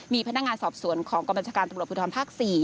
มีพนักงานสอบส่วนของกรรมราชการตรวจประวัติธรรมภาค๔